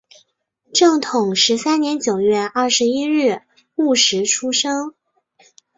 正统十三年九月二十一日戌时出生。